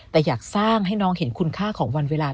แต่อยากสร้างให้น้องเห็นคุณค่าของวันเวลา